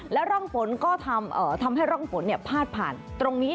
แล้วร่องฝนก็ทำให้ร่องฝนพาดผ่านตรงนี้